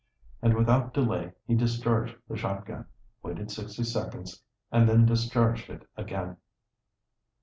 And without delay he discharged the shotgun, waited sixty seconds, and then discharged it again.